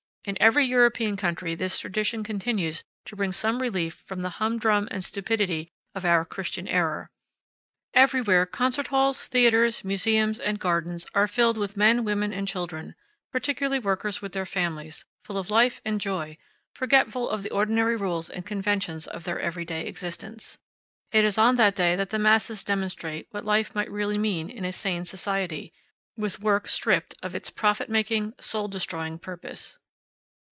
In every European country this tradition continues to bring some relief from the humdrum and stupidity of our Christian era. Everywhere concert halls, theaters, museums, and gardens are filled with men, women, and children, particularly workers with their families, full of life and joy, forgetful of the ordinary rules and conventions of their every day existence. It is on that day that the masses demonstrate what life might really mean in a sane society, with work stripped of its profit making, soul destroying purpose.